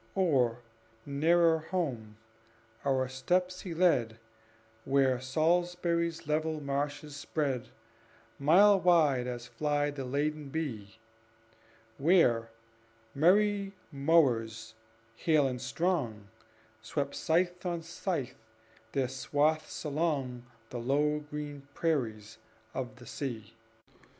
Or, nearer home, our steps he led Where Salisbury's level marshes spread Mile wide as flies the laden bee; Where merry mowers, hale and strong, Swept, scythe on scythe, their swaths along The low green prairies of the sea.